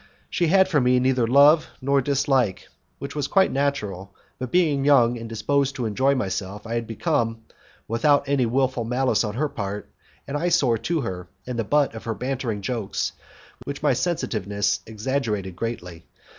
She had for me neither love nor dislike, which was quite natural; but being young and disposed to enjoy myself I had become, without any wilful malice on her part, an eye sore to her and the butt of her bantering jokes, which my sensitiveness exaggerated greatly.